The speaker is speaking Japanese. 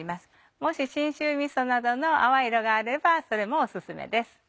もし信州みそなどの淡い色があればそれもオススメです。